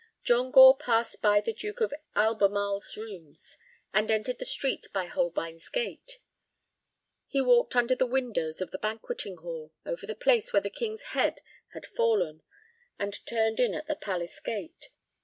John Gore passed by the Duke of Albemarle's rooms, and entered the street by Holbein's Gate. He walked under the windows of the Banqueting Hall, over the place where a king's head had fallen, and turned in at the Palace Gate.